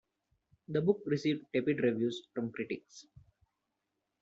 The book received tepid reviews from critics.